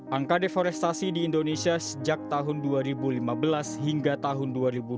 angka deforestasi di indonesia sejak tahun dua ribu lima belas hingga tahun dua ribu dua puluh